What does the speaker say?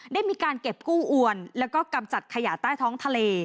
ได้มีการเก็บกู้อวนแล้วก็กำจัดขยะใต้ท้องทะเล